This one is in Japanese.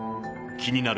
気になる